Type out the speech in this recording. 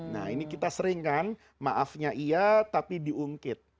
nah ini kita sering kan maafnya iya tapi diungkit